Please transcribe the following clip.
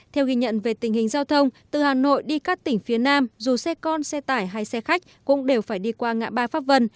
theo ghi nhận về tình hình giao thông từ hà nội đi các tỉnh phía nam dù xe con xe tải hay xe khách cũng đều phải đi qua ngã ba pháp vân